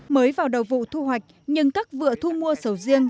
mới vào đầu vụ thu hoạch nhưng các vựa thu mua sầu riêng